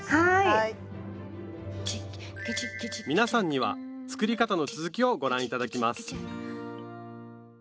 皆さんには作り方の続きをご覧頂きます